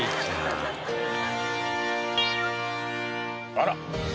あら！